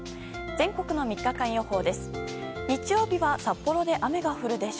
全国の３日間予報です。